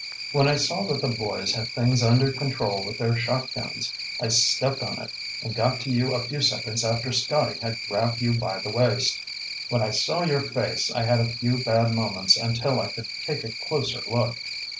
When I saw that the boys had things under control with their shotguns, I stepped on it and got to you a few seconds after Scotty had grabbed you by the waist. When I saw your face, I had a few bad moments until I could take a closer look.